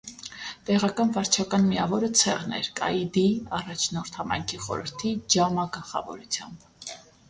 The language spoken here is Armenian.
Տեղական վարչական միավորը ցեղն էր՝ կաիդի (առաջնորդ) համայնքի խորհրդի (ջամա) գլխավորությամբ։